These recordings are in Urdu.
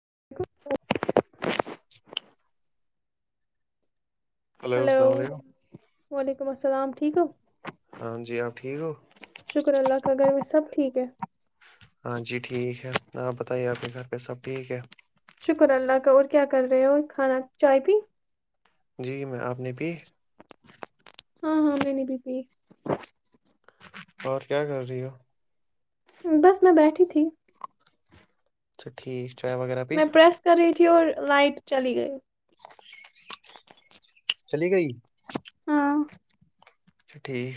[inaudible] ہلو السلام علیکم و تلیکم السل ٹھیک ہو ہاں جی آپ ٹھیک ہو شکر اللہ کا اگرگر میں سب ٹھیک ہے ہاں جی ٹھیک ہے آپ بتائیے آپ کے گھر پہ سب ٹھیک ہے شکر اللہ کا اور کیا کر رہے ہو اور کھانا چائے پی جی میں آپ نے پی ہاں ہاں میں نے بی پی اور کیا کر رہی ہو بس میں بیٹھی تھی اچھا ٹھیک چائے وغیرہ پی میں پرریس کر رہی تھی پیور لائٹ چلی گئے چلی گئی ہاں اچھا ٹھیک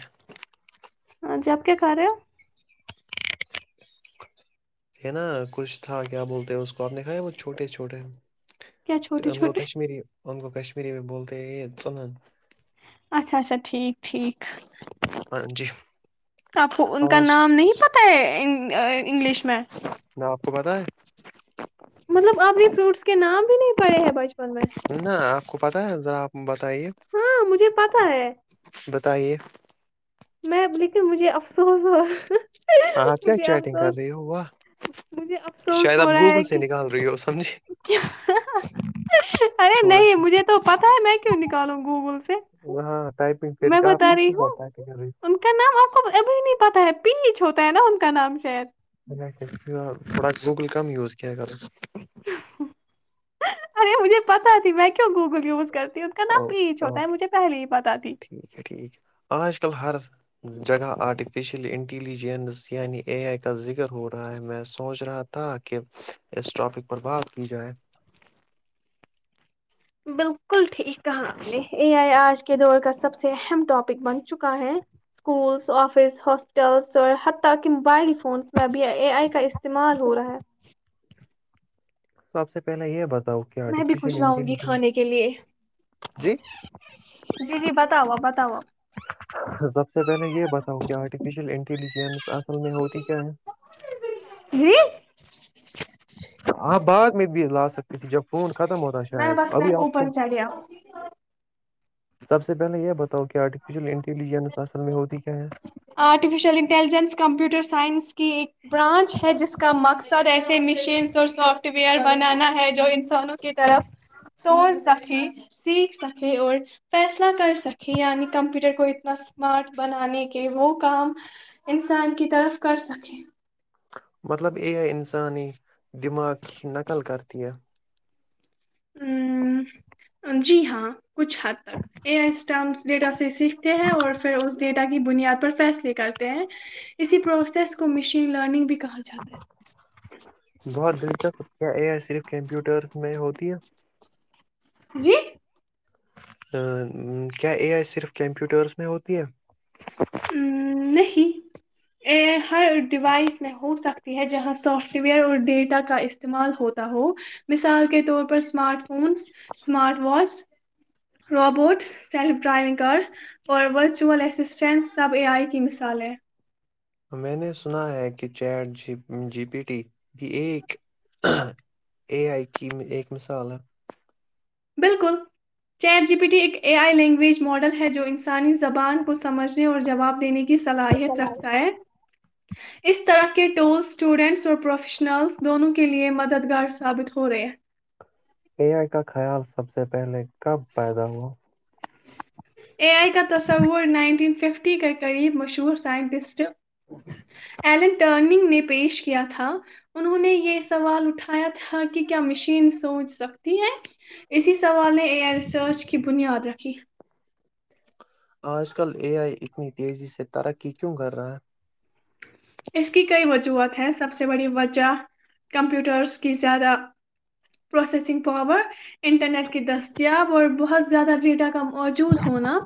ہاں جی آپ کیا کہا رہے ہو ہے نا کچھ تھا کیا بولتے ہیں اس کو آپ نے کایا وہ چھوٹے چھوٹے کیا چھوٹے تو اند گو چھوٹے کشمیری ان کو کشمیری میں بولتے ہیں یہ سنن اچھا اچھا ٹھیک ٹھیک ہاں جی آپ کو ان کا آج نام نہیں پتا انگلش میں ن آپ کو پت ہے مطلب اب یہ فروٹس کے نام بھی نہیں پڑے ہیں بچپن میں نہ آپ کو پ ذراپ ب بتائیے ہاں مجھے پتا ہے ب تائیے میں لیکن مجھے افسوس ہوا آپ کیا مجھے چیٹنگ کر رہی ہو واہ افسوس مجھے افسوس شاید آپ ہو رہا ہے گوگل سے نکال رہی ہو سمجھے کہ ارے چھوڑو چھوڑو نہیں مجھے تو پتا ہے میں کیوں نکالوں گوگل سے ہاں ٹائپنگ کر میں کے آپ بتا رہی ب ہوں ان کا نام آپ ابھی نہیں پتا ہے پیچھ ہوتا ہے نا ان کا نام شاید تھوڑا گوگل کم یوز کیا کروں ارے مجھے پتا ت میں کیوں گوگل یوز کرتی ہوں ان کا نام اوکے پیچ ہوتا ہے اوکے مجھے پہلے ہی پتا تھی ٹھیک ہے ٹھیک ہے آج کل ہر جگہ آرٹفیشل انٹیلیجنس ینی اے آئی کا ذکر فر ہو رہا ہے میں سوچ رہا تھا تھا کہ اس ٹاپک پر بات کی جائے بالکل ٹھیک کہا اج کے دور کا سب سے اہم ٹاپک بن چکا ہے سکولز افس ہاسپٹلز اور حتی کہ موبائل فونس میں بھی اے آئی کا استعمال ہو رہا ہے سب سے پہلے یہ بتا ہوک میں بھی آرٹیفیشیل کچھ لاؤں گی انٹیلیجنس کھانے کے لیے جی جی جی بتاؤ آپ بتاؤ آپ سب سے پہلے یہ بتاؤ کہ آرٹیفیشیل انٹیلی اصل میں ہوتی کیا ہے جی آپ بعد میں بھی لا سکتے تھی جب فون ختم ہوتا میں شاید بس میں ابھی آپ اوپر کو چڑھیا سب سے پہلے یہ بتا کہ آرٹیفیشیل انٹیلیجنس اصل میں ہوتی کیا ہے آرٹیفیشیل انٹیلیجنس کمپیوٹر سائنس کی ایک برانچ ہے جس کا مقصد ایسے مشینس اور سافٹ ویئر بنانا ہے جو انسانوں کی طرف سچ سکے سیکھ سکے اور فیصلہ کر سکے یعنی کمپیوٹر کو اتنا اسمارٹ بنانے کہ وہ کام انسان کی طرف کر سکے مطلب یہ ہے ان انسانی دماغ کی نقل کرتی ہے ا جی ہاں کچھ حد تک اے آئی اسٹم ڈیٹا سے سیکھتے ہیں اور پھر اس ڈیٹا کی بنیاد پر فیصلے کرتے ہیں اسی پروسیس کو مشین لرننگ بھی کہا جاتا بہت دلچسپ کیا یہ صرف کمپیوٹرس میں ہو [inaudible] جی کیا اے آئی صرف کمپیوٹرس میں ہوتی ہے ام، نہیں ہر ڈیوائس میں ہو سکتی ہے جہاں سافٹ ویئر اور ڈیٹا کا استعمال ہوتا ہو مثال کے طور پر smart phones smart watch robots self driving cars اور virtual assistants sub a I کی مثال ہے میں نے سنا ہے کہ چیٹ جی پی ٹی بھی ایک اے آئی کی ایک مثال ہے بالکل چیر جی پی ٹی ایک اے آئی لینگویج ماڈل ہے جو انسانی زبان کو سمجھنے اور جواب دینے کی صلاحیت رکھتا ہے اس طرح کے ٹولز اسٹوڈنٹس اور پروفیشنلز دونوں کے لیئے مددگار ثابت ہو رہے ہیں اے آئی کا خیال سب سے پہلے کب پیدا ہوا اے آئی کا تصا وہ نائنٹین ففٹی کے قریب مشہور سائنٹسٹ ایلن ٹرن نے پیش کیا تھا انہوں نے یہ سوال اٹھایا تھا کہ کیا مشین سوچ سکتی ہے اسی سوال نے ایئر ریسرچ کی بنیاد رکھی آج کل اے آئی اتنی تیزی سے ترقی کیوں کر رہا ہے اس کی کئی وجوہات ہیں سب سے بڑی وجہ کمپیوٹرس کی زیادہ پروسیسنگ پاور انٹرنیٹ کی دستیاب اور بہت بہت زدہ ڈیٹا کام موجود ہونا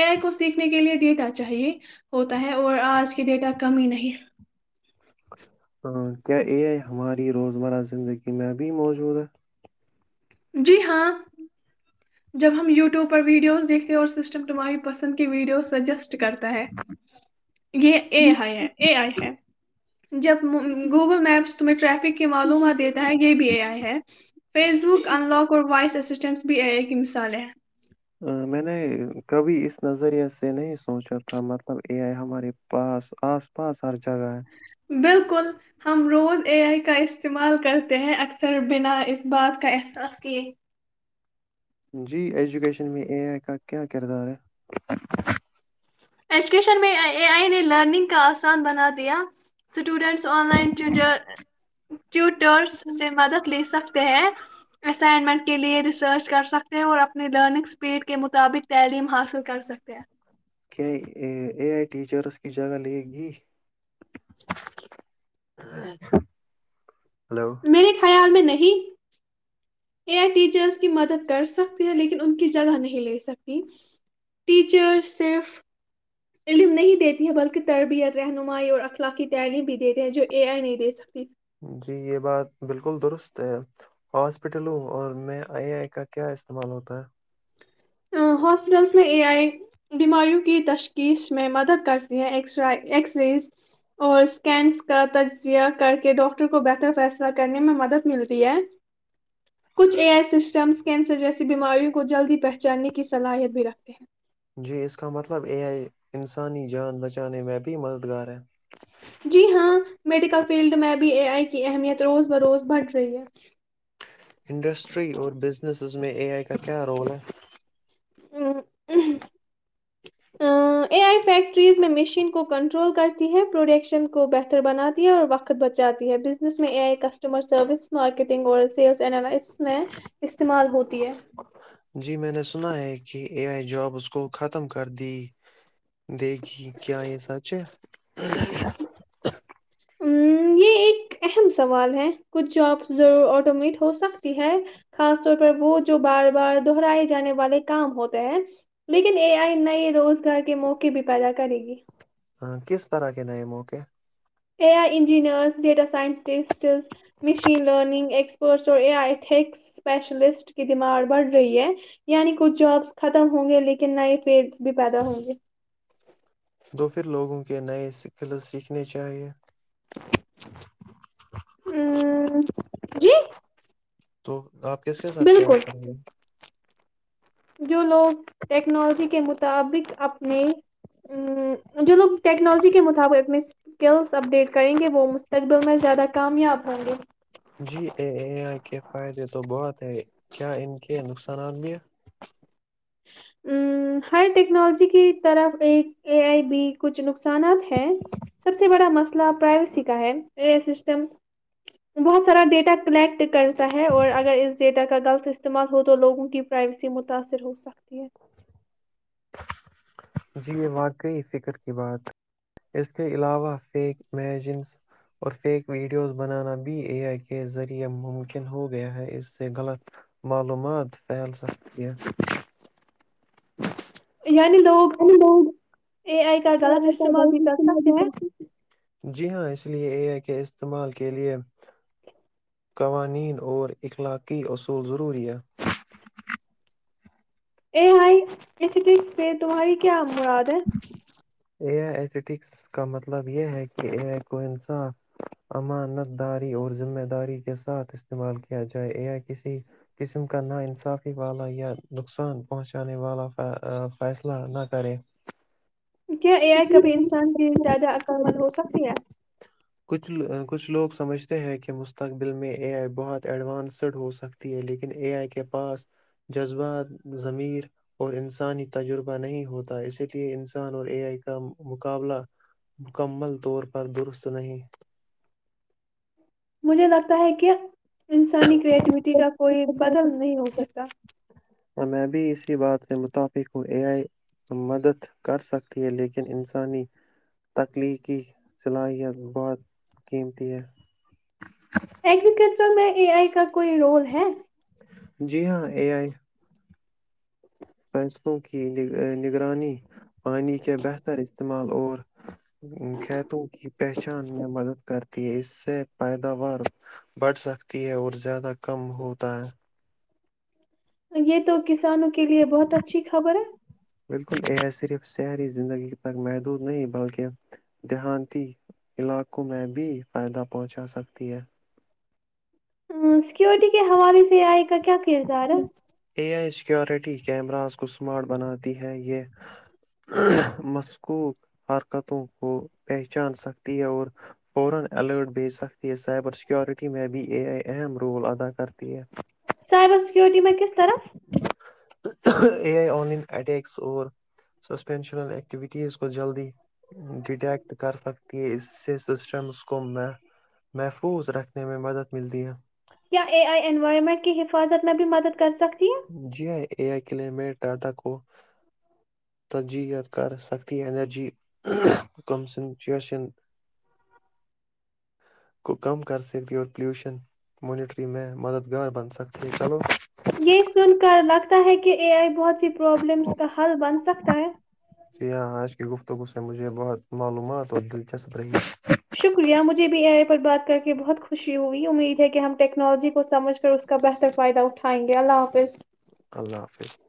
ایک ک س کے لیے ڈیٹا چاہیے ہوتا ہے اور آج کی ڈیٹا کم ہی نہیں ہاں کیا یہ ہے ہماری روزمرہ زندگی میں ابھی موجود ہے جی ہاں جب ہم یوٹیوب پر ویڈیوز دیکھتے اور سسٹم [unintelligible] پسند کی ویڈیو سجیسٹ کرتا ہے یہ اے آئی ہے اے آئی ہے جب گوگل میپس تمہیں ٹریفک کی معلومات دیتا ہے یہ بھی اے آئی ہے فیس بک ان لک اور وائس اسسٹینس بھی ایک کی مثال ہے میں نے کبھی اس نظریے سے نہیں سوچا تھا مطلب اے آئی ہمارے پاس آس پاس سر جگہ ہے بالکل ہم روز اے آئی کا استعمال کرتے ہیں اکثر بنا اس بات کا احساس کیے جی ایجوکیشن میں اے آئی کا کیا کردار ہے ایجوکیشن میں اے آئی نے لرننگ کا آسان بنا دیا اسٹوڈنٹس آن لائن ٹویٹر [unintelligible] سے مدد لی سکتے ہیں اسائنمنٹ کے لیے ریسرچ کر سکتے ہیں اور اپنی لرننگ اسپیڈ کے مطابق تعلیم حاصل کر سکتے ہیں کیا اے آئی ٹیچرس کی جگہ لے گی ہلو میرے خیال میں نہیں [inaudible] [unintelligible] ا ٹیچرس کی مدد کر سکتی ہیں لیکن ان کی جگہ نہیں لے سکتی ٹیچرس صرف علم نہیں دیتی ہے بلکہ تربیت رہنمائی اور اخلاقی تعلیم بھی دیتے ہیں جو اے آئی نہیں دے سکتے جی یہ بات بالکل درست ہاسپٹلوں اور میں آئیے آئی کا کیا استعمال ہوتا ہے ہاسپٹلس میں اے آئی بیماریوں کی تشخیص میں مدد کرتی ہے ایکس رز اور اسکینس کا تجزیہ کر کے ڈاکٹر کو بہتر فیصلہ کرنے میں مدد ملتی ہے کچھ اے آئی سسٹم کینسر جیسی بیماریوں کو جلدی پ جاننے کی صلاحیت بھی رکھتے ہیں جی اس کا مطلب یہ ہے انسانی جان بچانے میں بھی مددگار ہے جی ہاں میڈیکل فیلڈ میں بی اے آئی کی اہمیت روز بروز بڑھ رہی ہے انڈسٹری اور بزنسز میں اے آئی کا کیا رول ہے ہے اے آئی فیکٹریز میں مشین کو کنٹرول کرتی ہے پروڈکشن کو بہتر بناتی ہے اور وقت بچاتی ہے بزنس میں A I customer service marketing اور سیلس االائسس میں استعمال ہوتی ہے جی میں نے سنا ہے کہ اے آئی جاب اس کو ختم کر دی دگی کیا یہ سچ ہ [inaudible] ہ یہ ایک اہم سوال ہے کچھ جابس ضرور آٹومیٹ ہو سکتی ہے خاص طور پر وہ جو بار بار دہرائے جانے والے کام ہوتے ہیں لیکن اے آئی نئے روزگار کے موقع بھی پیدا کرے گی کس طرح کے نئے موقع A I engineers data scientists machine learning ایک فورس اور اے آئی یکس اسپیشلسٹ کی دماغ بڑھ رہی ہے یعنی کچھ جابس ختم ہوں گے لیکن نئے فیلس بھی پیدا ہوں گے دو پھر لوگوں کے نئے سکلز سیکھنے چاہیئے ہ جی تو آپ کس کے ساتھ چائے بالکل ایڈ کریں گے جو لوگ ٹیکنالوجی کے مطابق اپنے جو لوگ ٹیکنالوجی کے مطابق اپنے اسکلس اپڈیٹ کریں گے وہ مستقبل میں زیادہ کامیاب ہوں گے جی اے اے آئی کے فائدے تو بہت ہے کیا ان کے نقصان ثرانبیہ ا ہر ٹیکنالوجی کی طرف ایک اے آئی بی کچھ نقصانات ہے سب سے بڑا مسئلہ پرائیویسی کا ہے اے آئی سسٹم بہت سارا ڈیٹا کلیکٹ کرتا ہے اور اگر اس ڈیٹا کا غلط استعمال ہو تو لوگوں کی پرائیویسی متاأثر ہو سکتی ہے جی یہ واقعی فکر کی بات اس کے علاوہ فیک امیجنز اور فیک ویڈیوز بنانا بھی اے آئی کے ذریعہ ممکن ہو گیا ہے اس سے غلط معلومات پھیل سکتی ہے ہے یعنی لوگ یعنی لوگ اے آئی کا غلط استعمال بھی کر سکتے ہیں جی ہاں اس لئے اے اے کے استعمال کے لئے قوانین اور اخلاقی اصول ضروری ہے ا آائی ک ٹھیک سے تمہاری کیام م آد ہے اے آئی ایھیٹکس کا مطلب یہ ہے کہ اے آئی کو انصاف امانت داری اور ذمہ داری کے ساتھ استعمال کیا جائے اے آئی کسی قسم کا نا انصافی والا یا نقصان پہنچانے والا فیصلہ نہ کرے کیا یہ ہے کبھی انسان کے زیادہ اکرمن ہو سکتی ہے کچھ کچھ لوگ سمجھتے ہیں کہ مستقبل میں اے آئی بہت ایڈوانسڈ ہو سکتی ہے لیکن اے آئی کے پاس جذبات ضمیر اور انسانی تجربہ نہیں ہوتا اسی لیے انسان اور اے آئی کا مقابلہ مکمل طور پر درست سن مجھے لگتا ہے کیا انسانی کریٹیوٹی کا کوئی بدل نہیں ہو سکتا میں میں بھی اسی بات سے متفق ہوں اے آئی مدد کرسکتی ہے لیکن انسانی تخلیقی صلاحیت بہت قیمتی ہے ایگریکلچر میں اے آئی کا کوئی رول ہے جی ہاں اے آئی پچوں کی نگرانی پانی کے بہتر استعمال اور کھیتوں کی پہچان میں مدد کرتی ہے اس سے پیداوار بڑھ سکتی ہے اور زیادہ کم ہوتا ہے یہ تو کسانوں کے لیے بہت اچھی خبر ہے بالکل یہ صرف شہری زندگی تک محدود نہیں بلکہ دیہانتی علاقوں میں بھی فائدہ پہنچا سکتی ہے سیکورٹی کے حوالے سے آئے کا کیا کردار ہے سکیورٹی کیمراز کو سمارٹ بناتی ہے یہ مسکوک حرکتوں کو پہچان سک ہے اور اور الرٹ بھیج سکتی ہے سائبر سیکیورٹی میں اب اے آئی اہم رول ادا کرتی ہے سائبر سیکیورٹی ما کس طرف اے آئی آن لن اٹییکس اور سسپینشنل اکٹوٹٹیز کوت جلدی ڈیٹیکٹ کر سکتی ہے اس سے سسٹمس کو میں محفوظ رکھنے میں مدد ملتی ہے کیا اے آئی انوائرمنٹ کی حفاظت میں بھی مدد کر سکتی ہے جی اے آئی کلے میں ٹاٹا کو تججیت کر سکتی انینرجی کنسنٹریشن کو کم کر سکتی اور پلیوشن مانیٹرنگ میں مددگار بن سکتے ہے چلو یہ سن لگتا ہے کہ اے آئی بہت سی پروابلمس کا حل بن سکتا ہے ہاں آج کی توگ اس سے مجھے بہت معلومات اور دلچسپ رہی شکریہ مجھے بھی اے آئی پر بات کر کے بہت خوشی ہوئی امید ہے کہ ہم ٹیکنالوجی کو سمجھ کر اس کا بہتر فائدہ اٹھائیں گے اللہ حافظ اللہ حافظ